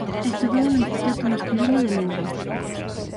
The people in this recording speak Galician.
Estudou no Instituto Masculino de Lugo.